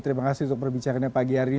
terima kasih untuk perbicaraannya pagi hari ini